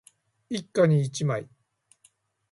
一家に一枚